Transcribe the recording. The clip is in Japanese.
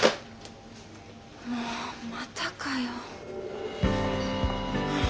もうまたかよ。